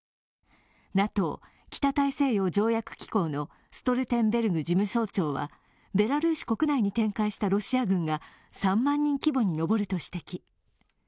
ＮＡＴＯ＝北大西洋条約機構のストルテンベルグ事務総長はベラルーシ国内に展開したロシア軍が３万人規模に上ると指摘。